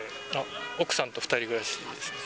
奥さんと２人暮らしです。